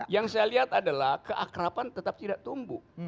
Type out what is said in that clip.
yang saya lihat adalah keakrapan tetap tidak tumbuh